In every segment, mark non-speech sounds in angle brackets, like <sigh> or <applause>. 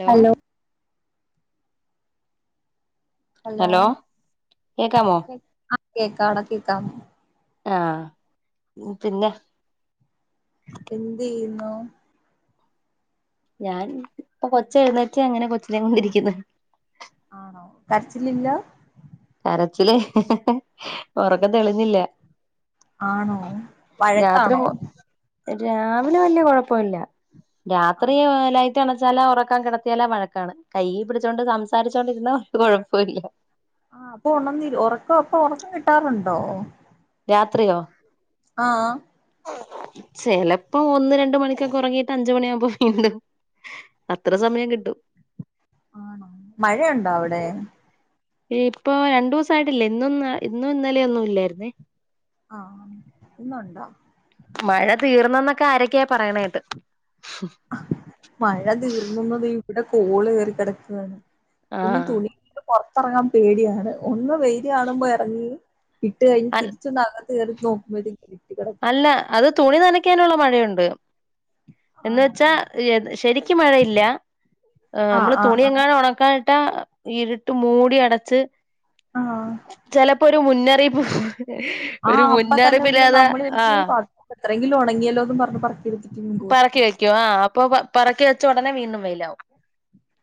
Hello. Hello. കേക്കാമോ? ആ കേക്കാടാ കേക്കാം. ആഹ്. പിന്നെ? എന്തെയ്യുന്നു? ഞാൻ ഇപ്പൊ കൊച്ച് എഴുന്നേറ്റ് അങ്ങനെ കൊച്ചിനെ കൊണ്ടിരിക്കുന്ന്. ആണോ കരച്ചിലില്ല? കരച്ചില് ഉറക്കം തെളിഞ്ഞില്ല. ആണോ രാത്രി വഴക്കാണോ? മൊ രാവിലെ വല്യ കുഴപ്പൊല്ല രാത്രി ആണോ മൊതലാ ട്ടിണിച്ചാലാ ഉറക്കാൻ കിടത്തിയാലോ വഴക്കാണ് കൈ പിടിച്ചോണ്ട് സംസാരിച്ചോണ്ടിരുന്നോ ഒ കുഴപ്പോല്ല ആഹ് അപ്പൊ ഒണ ഉറക്കം അപ്പൊ ഉറക്കം കിട്ടാറുണ്ടോ രാത്രിലോ? ആഹ്. ചിലപ്പോ ഒന്ന് രണ്ട് മണിക്കൊക്കെ ഉറങ്ങിട്ട് അഞ്ച് മണിയാവുമ്പോ വീണ്ടു അത്ര സമയം കിട്ടും. ആണോ. മഴയുണ്ടോ അവിടെ? ഇപ്പൊ രണ്ടു ദിവസായിട്ടില്ലാ ഇന്നൊന്ന് ഇന്നും ഇന്നലെയൊന്നും ഇല്ലായിരുന്നേ. ആഹ് ഇന്നൊണ്ടോ? മഴ തീർന്നന്നൊക്കെ ആരൊക്കെയെ പറയണ കേട്ട് മഴ തീർന്നുന്നത് ഇവിടെ കോള് കേറി കിടക്കാണ്...... ഒന്ന് തുണി ആഹ് പുറത്തറങ്ങാ പേടിയാണ് ഒന്ന് വെയ്‌ല് കാണുമ്പോ എറങ്ങി...... ട്ട് കഴിഞ്ഞ് തിരിച്ചൊന്ന് അകത്ത് കേറി നോക്കുമ്പോഴ് ത്തേക്ക്..... അല്ല അത് തുണി നനയ്ക്കാനുള്ള മഴയുണ്ട്..... എന്ന ആണോ വെച്ചാ ശരിക്ക് മഴയില്ല..... ആഹ് നമ്മള് തുണിയങ്ങാനുണക്കാനി... ട്ട ഇരുട്ട് മൂടി അടച്ച് ആഹ് ആഹ് ചെലപ്..... ഇപ്പൊ ഒരു മുന്നറിയിപ്പു ഒരു മുന്നറിയിപ്പില്ലാത...... എനിക്ക് <unintelligible> ഇത്ര എങ്കിലും ഉണങ്ങിയല്ലോന്ന് പറഞ്ഞ് പറ.... പറക്കി വെക്കോ ആഹ് അപ്പൊ പറക്കി വെച്ച ഉടനെ വീണ്ടും വെയിലാവും.....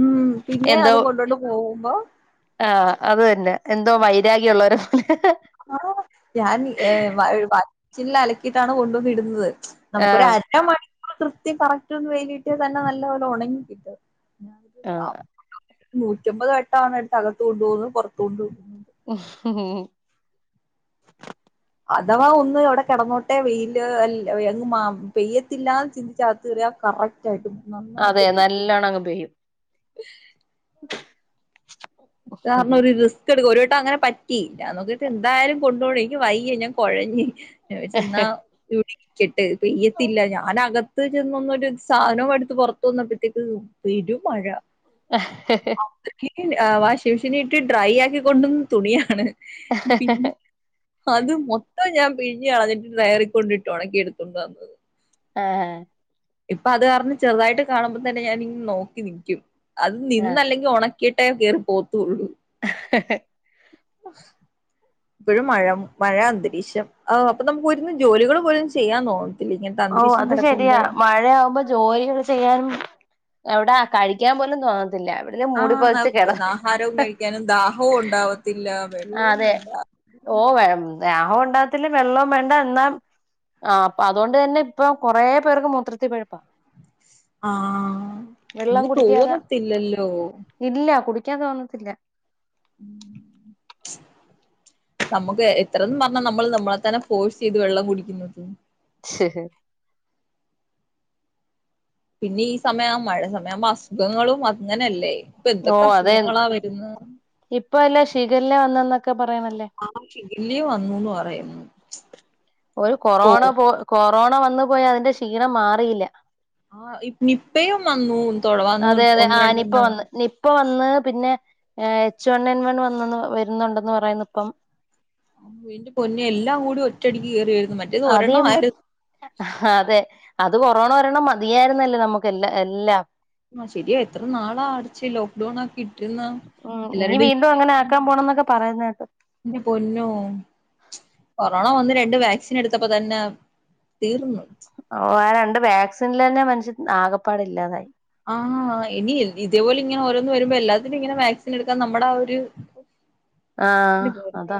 ഉം പിന്നെ എന്തോ അത് കൊണ്ടോണ്ട് പോകുമ്പോ ആഹ് അത് തന്നെ....... എന്തോ വൈരാഗ്യ ഉള്ളൊരെ..... ആഹ് ഞാൻ ഏഹ് വ ചിൽ അലക്കീട്ടാണോ കൊണ്ടൊന്നിടുന്നത് ആ നമുക്കൊരു അര മണിക്കൂർ കൃത്യം കറക്റ്റ് ഒന്ന് വെയിലിട്ടേ തന്നെ നല്ല പോലെ ഉണങ്ങി കിട്ടു ആഹ്....... നൂറ്റമ്പത് വട്ടാണ് എടുത്ത് അകത്ത് കൊണ്ട് പോകുന്നു പുറത്ത് കൊണ്ടൊന്നു.... അഥവാ ഒന്ന് അവിടെ കിടന്നോട്ടെ വെയ്ൽ അൽ അങ്ങ് മാ പെയ്യത്തില്ലാന്ന് ചിന്തിച്ച അകത്തേറിയ കറക്...... അതെ നല്ലണങ്ങ് പെയ്യും..... <unintelligible> <inaudible> കാരണം ഒരു റിസ്കെടുക്കു ഒരു ക്ക് അങ്ങനെ പറ്റി ഞാ നോക്കീട്ട് എന്തായാലും കൊണ്ടോണനിക്ക് വയ്യ ഞാൻ കൊഴഞ്..... നിങ്ങട്ട് ചെന്നാ നിക്കട്ടെ പെയ്യത്തില്ല ഞാൻ അകത്ത് ചെന്നൊന്നരു സാധനം എടുത്ത് പുറത്തവന്നപ്പോത്തേക്ക്..... വീട് മഴ...... ഹ ഹേ ഹേ...... ഇൻ വാഷിംഗ് മെഷീനിട്ട് ഡ്രൈ ആക്കി കൊണ്ടന്ന തുണിയാണ്..... ഹ്‌ഹ പിന്നെ അത് മൊത്ത ഞാൻ പിഴിഞ്ഞ് അതിൻ്റെ ഡയറിക്കൊണ്ടിട്ടുണക്കി എടുത്തോണ്ട് വന്നത്...... ഏഹ് ഇപ്പൊ അത് കാരണ ചെറുതായിട്ട് കാണുമ്പോ തന്നെ ഞാനി നോക്കി നിക്കും അത് ആ നിന്നല്ലെങ്കി ഉണ..... കിട്ടേ കേറി പോത്തുള്ളൂ..... ഹെ ഹെഹ് <unintelligible> ഇപ്പോഴും മഴം മഴ അന്തരീക്ഷം ആഹ് അപ്പൊ നമുക്ക് ഇരുന്ന് ജോലികൾ പോലും ചെയ്യാൻ തോന്നു...... ഓഹ് അത് ശരിയാ മഴയാവുമ്പോ ജോലികൾ ചെയ്യാനും എവിടാ കഴിക്കാൻ പോലും തോന്ന...... ല്ല എവിടിന്ന മൂടി പോതച്ച് കിടാ..... ആഹ് ആഹാരവും ഹി..... കഴിക്കാനും ദാഹവും ഉണ്ടാവത്തില്ല ആഹ് വെള്ളവും അതെ വേണ്ട ഓഹ് വെ ദഹം ഉണ്ടാകത്തില്ല വെള്ളൊം വേണ്ട ആ അപ്പ അതുകൊണ്ട് തന്നെ ഇപ്പൊ കൊറെ പേർക്ക് മൂത്രത്തി പിഴപ്പാ. ആ, <unintelligible> കുടിക്കാതെ തോന്നത്തില്ലല്ലോ. ക്കാ തോന്നത്തില്ല. ഉം <inaudible> ശ് ഹ് ഹ്... പിന്നെ ഈ സമയം മഴ സമയാവുമ്പോ അസുഖങ്ങളും അങ്ങനെല്ല...... ല്ലെ ഇപ്പൊ എന്തൊക്കെ അസുഖങ്ങളാ വര്ന്ന്..... ഇപ്പല്ല ശീഖല്ല വന്നൊന്നെക്കെ..... ആഹ് ശിഖല്യ വന്നൂന്ന് പറയുന്നു ഒരു ഓ കൊറോണ പോ കൊറോണ വന്നു പോയി അതിന്റെ ക്ഷീണം മാറില്ല. ആ നിപ്പയും വന്നു അതെ <unintelligible> അതെ ഒന്ന് ആ നിപ്പ രണ്ടെണ്ണം. വന്ന് നിപ്പ വന്ന് പിന്നെ ഏ എച്ച് വൺ എൻ വൺ വന്നന്ന്, വരുന്നുണ്ടന്ന് പറയുന്നു ഇപ്പം. ന്റെ പൊന്നെ എല്ലാം കൂടി ഒറ്റടിക്ക് കേറി വര് അതം, ഹതെ അത് കൊറോണ വരണം മതിയായിരുന്നല്ലേ, നമുക്ക് എല്ലാ എല്ലാം. ആ ശരിയോ എത്ര നാളാ അടച്ച് ലോക്ക്ഡൌൺ ആക്കി ർന്നു, ഉം ഇനി എല്ലരുട, വീണ്ടും അങ്ങനെ ആക്കാൻ പോണംന്നൊക്കെ പറയുന്ന കേട്ടു ന്റെ പൊന്നോ കൊറോണ വന്ന് രണ്ട് വാക്സിൻ എടുത്തപ്പോ തന്നെ തീർന്നു. ഓ, ആ രണ്ട് വാക്സിനില് തന്നെ മനുഷ്യൻ ആകപ്പാടെ ഇല്ലാതായി. ആ, ഇനി ഇതേപോലെ ഇങ്ങനെ ഓരോന്ന് വരുമ്പോ എല്ലാത്തിനും ഇങ്ങനെ വാക്സിൻ എടുക്കാൻ നമ്മുടെ ആ ഒരു ആ, അതാ.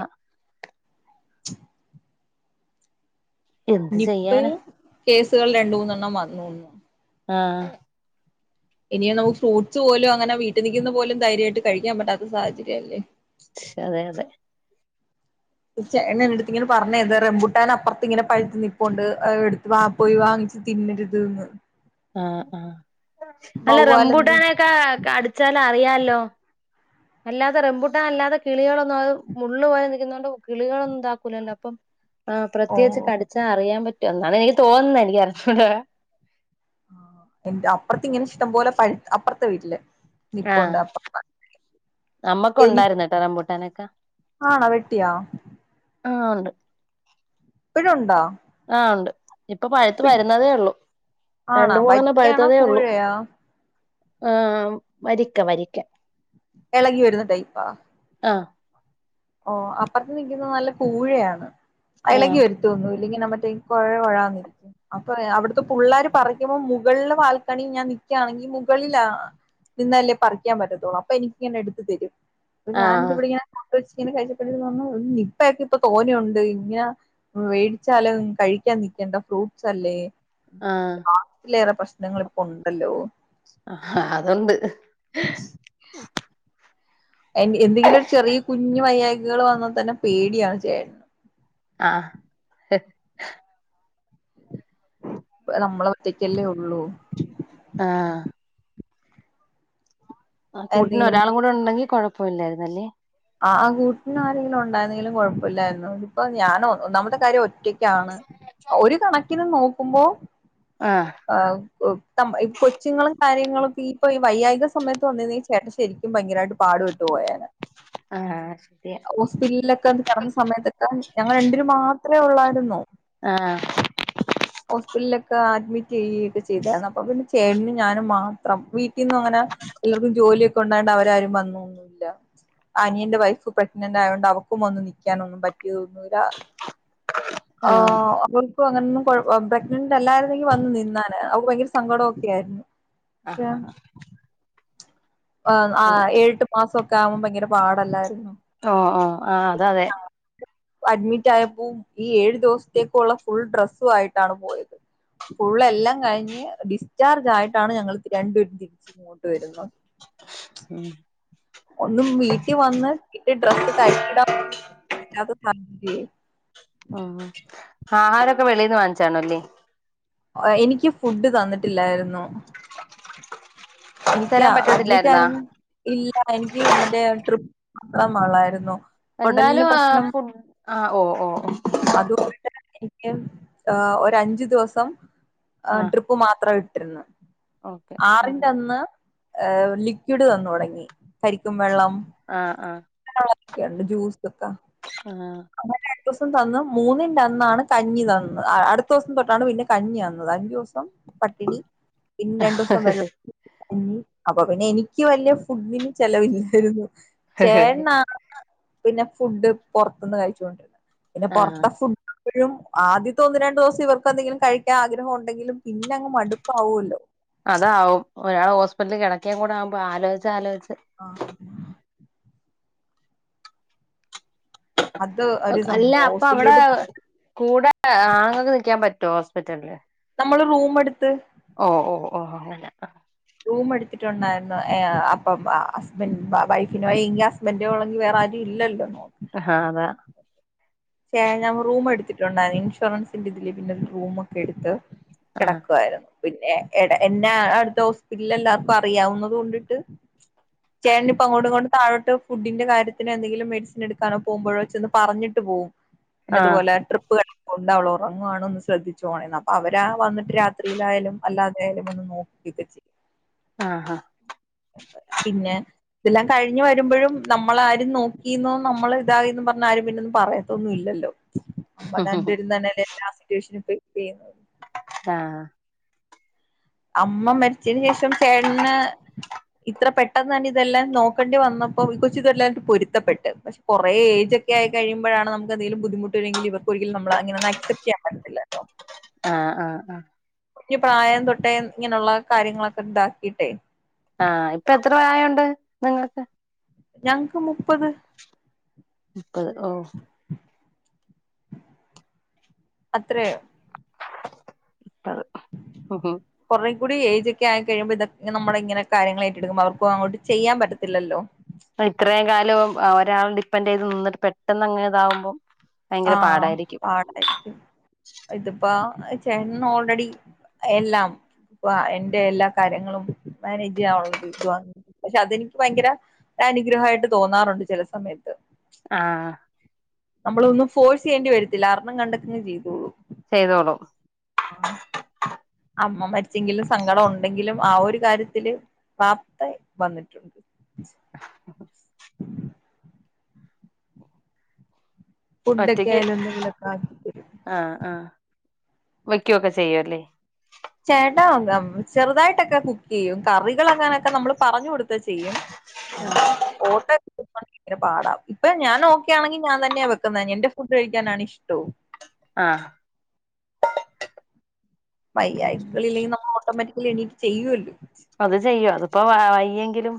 <inaudible> എന്ത്തു ചെയ്യാന. നിപ്പയും കേസുകൾ രണ്ട് മൂന്നെണ്ണം വന്നുന്നു. ആ. ഇനിയ നമുക്ക് ഫ്രൂട്സ് പോലും അങ്ങനെ വീട്ടിൽ നിക്കുന്ന പോലും ധൈര്യമായിട്ട് കഴിക്കാൻ പറ്റാത്ത സാഹചര്യല്ലേ. അതെ അതെ. ചേട്ടൻ എന്റെടുത്ത് ഇങ്ങനെ പറഞ്ഞയൻ ആ റംബുട്ടാൻ അപ്പുറത്ത് ഇങ്ങനെ പഴുത്തു നിപ്പുണ്ട്, അത് എടുത്തു വാ, പോയി വാങ്ങ് തിന്നരുത്ന്ന്. ആ, ആ അല്ല വവ്വാലെന്ത് റംബൂട്ടാനെൊക്കെ കടിച്ചാലറിയാലൊ. അല്ലാതെ റംബുട്ടാൻ അല്ലാതെ കിളികളൊന്നും അത് മള്ള് പോലെ നിക്കുന്നോണ്ട് കിളികളൊന്നും ഇതാക്കൂലല്ലോ അപ്പം ആ, ഓ പ്രത്യേകിച്ച് കടിച്ചാ അറിയാൻ പറ്റു. എന്നാണ് എനിക്ക് തോന്നുന്നെ, എനിക്ക് അറിഞ്ഞുട. എന്റെ അപ്പുറത്ത്ങ്ങനെ ഇഷ്ടം പോലെ പ അപ്പുറത്തെ വീട്ടില്. ആഹ് നിപ്പണ്ടായപ്പോ നമ്മക്ക് ഉണ്ടായിരുന്നട്ടോ റംബൂട്ടാൻ ഒക്കെ, ആണോ വെട്ടിയാ ആ ണ്ട് <unintelligible> ഇപ്പഴും ഉണ്ടോ ആ ഉണ്ട്. ഇപ്പ പഴുത്ത് പിടി വരുന്നതേ ഉള്ളു, രണ്ട ആണോ മൂന്നെണ്ണം വരിക്കയാണോ പഴുത്തതേ ഉള്ളു. കൂഴയാ ആ, വരിക്ക, വരിക്ക. ഇളകി വരുന്ന ടൈപ്പാ? ആ. ഓ, അപ്പുറത്ത് നിക്കുന്നത് നല്ല പൂഴയാണ്, ആ ഇളകി വര്തയൊന്നുല്ല. അല്ലെങ്കിൽ നമ്മ <unintelligible> കുഴന്നിരിക്കും. അപ്പ അവിടുത്തെ പിള്ളാര് പറക്കുമ്പോൾ മുകളിലെ ബാൽക്കണി ഞാൻ നിക്കാണെങ്കിൽ മുകളിലാ നിന്നല്ലേ പറിക്കാൻ പറ്റത്തുള്ളൂ. അപ്പൊ എനിക്കിങ്ങനെ എടുത്ത് തരും. അപ്പൊ ആ ഞാനിതിവിടെ ഇങ്ങനെ കഴിച്ചിട്ട് ഇങ്ങനെ കഴിച്ചിട്ട് ഇങ്ങനെ തോന്നും, നിപ്പ ഒക്കെ തോന്നുണ്ട് ഇങ്ങനെ വേടിച്ചാലേ ഇതൊന്നു കഴിക്കാൻ നിക്കണ്ട ഫ്രൂട്സ് അല്ലേ. ആ അതിലേറെ പ്രശ്നങ്ങൾ ഇപ്പൊ ഉണ്ടല്ലോ. ആ അതൊണ്ട്. <inaudible> എ, എന്തെങ്കിലും ഒരു ചെറിയ കുഞ്ഞഞ് വയ്യയ്കൾ വന്ന തന്നെ പേടിയാണ് ചേട്ട ആഹ്. നമ്മളെ ഒറ്റയ്ക്കല്ലേ ഉള്ളൂ. ആ ആ കൂട്ടിന് എന്തെങ്കിലും ഒരാളും കൂടെ ഉണ്ടെങ്കി കൊഴപ്പല്ലായിരുന്നല്ലേ. ആ, ആ കൂട്ടി ന് ആരെങ്കിലും ഉണ്ടാ യിരുന്നെങ്കിലും കുഴപ്പല്ലായിരുന്നു. ഇതിപ്പോ ഞാൻ നമ്മുടെ കാര്യം ഒ റ്റക്കാണ്. ഒരു കണക്കിന് നോക്കുമ്പോ ആ ആഹ് ഉ നമ്മെ ഈ കൊച്ചുങ്ങളെ കാര്യങ്ങളൊക്കെഈ ഇപ്പൊ ഈ വൈയായിക സമയത്ത് വന്നിരു നെങ്കിൽ ചേട്ടൻ ശരിക്കും ഭയങ്കരായിട്ട് പാട് ട്ടുപോയേനേ ആ ശരിയാ അ ഹോസ്പിറ്റൽലൊക്കെന്ന് കിടന്ന സമയത്ത് ആൻ ഞങ്ങളെ രണ്ടിരും മാത്രേ ഉള്ളായിന്നു. ആഹാ ആഹ് ആ അഡ്മിറ്റ് ചെയ്യിട്ട് ചെയ്താർന്നു അപ്പൊ പിന്നെ ചേട്ടന് ഞാനും മാത്രം വീട്ടിൽന്ന് അങ്ങനെല്ലാവർക്കും ജോലിയൊക്കെ ഉണ്ടായി അവരാരും വന്നൊഉന്നുംല്ല അനിയന്റെ വൈഫ് പ്രഗ്നന്റ് ആയോണ്ട് അവക്കും വന്ന് നിക്കാനൊന്നും പറ്റിയോ ന്നൂല്ല ആ ആഹ് അവർക്ക് അങ്ങനെന്നും കുഴപ പ്രഗ്നന്റ് അല്ലായിരുന്നെങ്കി വന്നു നി - ന്നാനെ അവക്കു ഭയങ്കര സങ്കടം ഒക്കെയാരുന്നു. ആഹ്അഹ ആ ആ ഏഴട്ട് മാസൊക്കെ ആകുബോ ഭ യങ്കര പാടില്ലായിരുന്നു ഓ ഓ ആ അഅത അതെ. വോ അഡ്മിറ്റ് ആയപ്പു ഈ ഏഴു ദിവസത്തേക്കുള്ള ഫുൾ ഡ്രസ്സു ആയിട്ടാണ് പോയത് ഫുള്ള് എല്ലാം കഴിഞ്ഞ് ഡിസ്ചാർജ് ആയിട്ടാണ് ഞങ്ങള് രണ്ടുരും ഇങ്ങോട്ട് വരുന്നത്. ഉും ഒന്നും വീട്ടി വന്ന് ഇട്ട് ഡ്രസ്സ് കഴികിടാൻ അത്പറഞ്ഞ്ലെ ഉം ആ ആഹാരൊക്കെ വെളിന്ന് വാങ്ങിച്ചാണോല്ലേ? എനിക്ക് ഫുഡ്ഡ് തന്നിട്ടില്ലായിരുന്നു. എനിക്ക് തരാൻ പറ്റത്തില്ലായിരുന്നാ അഡ്മിറ്റാരുന്ന് ഇല്ല എനിക്ക് മറ്റേ ട്രിപ്പ് എത്രമ്മാളായിരുന്നു. എന്നാലും ആ ഫുഡ് ആ ഓ ഓ ഒ യെ ആ ഒരഞ്ചു ദിവസം ആ ട്രിപ്പ് മാത്രം ഇട് തിരുന്നു. ഓക്കെ അ ആ ചെന്ന് അ് ലിക്വിഡ് തന്ന് തുടങ്ങി. കരിക്കും വെള്ളം ആഹ് അ യണ്ട് ജൂസ്ത് ത <inaudible> ഹഹാ ദിവുസം തന്ന് മൂന്നിന്റെ അന്നാണ് കഞ്ഞിതന്ന്. അടുത്തവുസം തൊട്ടാണ് പിന്നെ കഞ്ഞിന്നത് അഞ്ചുവുസം പട്ടിണി പിന്നെ രണ്ടുവുസം വെള്ള അപ്പൊ പിന്നെ എനിക്ക് വല്യ ഫുഡിന് ചെലവില്ലായിരുന്നു. ചേട്ൺണാണ് പിന്നെ ഫുഡ് പൊർത്ത്ന്ന് കഴിച്ചോണ്ടിരുന്ന് പിന്നെ ആ പൊറത്ത ഫുഡ് ഴും ആദ്യത്തെ ഒന്നു രണ്ടുവുസം ഇവർക്ക് എന്തെങ്കിലും കഴിക്കാൻ ആഗ്രഹം ഉണ്ടെങ്കിലും പിന്നെ അങ്ങ് മടുപ്പാവുല്ലോ അതാവും ഒരാൾ ഹോസ്പിറ്റല് ക്കിട ക്കിൻ കൂടെ ആവുമ്പോ ആലോച്ച് ആലോയിച്ച് ആ അത് ഒരു ഓകെ അല്ല സംഭവം അപ്പൊ അവിടെ ഹോസ്പിറ്റലിലോട്ട് കൂടെ അ ആങ്ങക്ക് നിക്കാൻ പറ്റ് റ്റോവോ ഹോസ്പിറ്റല്ലേ മ്മള് റൂംമ് എട്ത്ത് ഓ ഓ ഓ അങ്ങനാ അഃ റൂം എടുത്തിട്ടുണ്ടായിരുന്നു. യ യാ അപ്പം ഹസ്ബൻ വ വൈഫിനെവയ്യെങ്കി ഹസ്ബൻന്റോള്ളങിവേറെ അതി ഇല്ലല്ലോ അ ആഹാ അതേ യേ ഞാങ റൂംമെടുത്തിട്ടുണ്ടായിരുന്നു ഇൻഷുറൻസിന്റെതില് പിന്നെ റൂമൊക്കെ എടുത്ത് ആഹ് കിടക്കുവായിരുന്നു. പിന്നെ എട എന്നാ അടുത്ത ഹോസ്പിറ്റലിലെ എല്ലാർക്കും അറിയാവുന്നത് കൊണ്ടിട്ട് ചേട്ട്നിപ്പ അങ്ങോട്ടുംങ്ങോട്ടു താഴോട്ട് ഫുഡിന്റെ കാര്യത്തിന് എന്തെങ്കിലും മെഡിസിന് എടുക്കാനോ പോക്മ്പോ ഴോ ചെന്ന് പറഞ്ഞിട്ട് പോകും. ആഹ് ഇന്നതുപോലെ ട്രിപ്പ്കട്ട് കൊണ്ട് അവള്റങ്ങുവാണന്ന് ശ്രദ്ധിച്ചോണേന്ന്. അപ്പൊ അവര് ആ വന്നിട്ട് രാത്രിയിലായാലും അല്ലാതെ യാലും വന്ന് നോക്ക് <unintelligible> ആ ആഹ <unintelligible> പിന്നെ ഇതെല്ലാം കഴിഞ്ഞ് വരുമ്പഴും നമ്മളെ ആരും നോക്കിന്നേ നമ്മളെ ഇതായിന്നേ പറഞ്ഞ് ആരും പിന്നെന്നും പറയ തൊന്നും ഇല്ലല്ലോ നമ്മൾ രണ്ട് പേരും തന്നെ എല്ലാ സിറ്റേഷനും ഫെയ്സ് ചെയ്യുന്നത് ആഹ അമ്മ മരിച്ചതിന് ശേഷം ചേട്ടന് ഇത്ര പെട്ടെന്ന് തന്നെ ഇതെല്ലാം നോക്കേണ്ടി വന്നപ്പോ കൊച്ച് ഇതെല്ലായിട്ട് പൊരുത്തപ്പെട്ട് പക്ഷെ കൊറേ എയിജ് ക്കെആയി കിയുമ്പഴാണ് നമുക്ക് എന്തെലും ബുദ്ധമുട്ട് വരേങ്കിലും ഇവർക്ക് ഒരിക്കലും നമ്മളെ ആക്ക്സബ്റ്റ് ചെയാൻ പറ്റതില്ലല്ലോ ആ ആ ആ പ്രായം തൊട്ടേ ഇങ്ങനെയുള്ള കാര്യങ്ങളൊക്കെ ഇതാക്കിട്ടേ നിങ്ങക്ക് ഞങ്ങക്ക് മുപ്പത് മുപ്പത് ഓ അത്രയോ അതെ ഉം ഉം കെറേ എയ്ജ്ക്കായി കഴുമ്പോ ഇതൊ നമ്മള്. ഇങ്ങനെ കാര്യങ്ങള് ഏറ്റടുക്കുംമ്പോള് അവക്കും അങ്ങോട്ട് ചെയാൻ പറ്റത്തില്ലല്ലോ ഇത്രേയും കാലം ഒരാളെ ഡിപ്പെൻഡറ് ചെയ്ത് നിന്നിട്ട് പെട്ടെന്ന് അങ്ങനെ ഇതാവുമ്പോ ആ പാട്ട് ക്ക് ഇത്പ്പോ ചെട്ടന്ന് ഓൾറെഡി എല്ലാം അപ്പ എന്റെ എല്ലാ കാര്യങ്ങളും മാനേജ് ചെയ്യാനുള്ളത് വ - പക്ഷെ അതെനിക്ക് ഭയങ്കര അനുഗ്രഹയിട്ട് തോന്നാറുണ്ട് ചെല സമയത്ത് ആഹ് നമ്മളൊന്നും ഫോഴ്സ് ചെയ്യേണ്ടി വരത്തില്ല അർണം കണ്ടെക്കോ ചെയ്തേള്ളും ചെയ്തോള്ളും ആ അമ്മ മരിച്ചെങ്കിലും സങ്കടം ഉണ്ടെങ്കിലും ആ ഒരു കാര്യത്തില് പാപ്തെയാ യ് വന്നിട്ടുണ്ട് <inaudible> ഫുഡൊക്കെ ഒറ്റയ്ക്ക് ആയാലും എന്തെങ്കിലുമൊക്കെ ആക്കി ആ ആ വെക്കുക്കെ ചെയ്യുല്ലേ ചേട്ടാ ചെറുതായിട്ടൊക്കെ കുക്ക് ചെയ്യും കറികളാങ്ങാനൊക്കെ നമ്മള് പറഞ്ഞു കൊടുത്ത് ചെയ്യും എന്നാ ഓട്ട <unintelligible> ഇങ്ങന പാടാ ഇപ്പോ ഞാൻ ഓക്കയാണെങ്കിൽ ഞാൻ തന്നെ വെക്കുന്നെ എന്റെ ഫുഡ് കഴിക്കാനാണ് ഇഷ്ടവും ആഹ അങ്ങനെ വയ്യായികള് ഇല്ലെങ്കിൽ നമ്മള് ഓട്ടോമാറ്റിക്കലി എണീട്ട് ചെയ്യുല്ലോ അത് ചെയ്യോ അതിപ്പോ വ വയ്യെങ്കിലും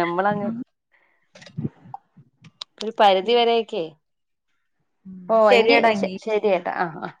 നമ്മളങ്ങ് ഒരു പരിധി വരെക്കേ ഓ എങ്കിൽ ശരിയടാ എങ്കി ശരിയട്ടാ ആഹ ആ